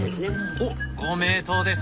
おっご名答です。